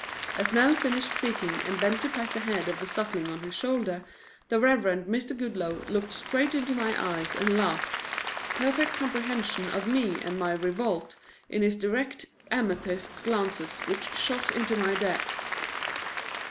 As Nell finished speaking and bent to pat the head of the Suckling on his shoulder, the Reverend Mr. Goodloe looked straight into my eyes and laughed, perfect comprehension of me and my revolt in his direct amethyst glances which shot into my depths.